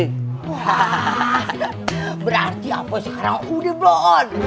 wah berarti apoi sekarang udah belon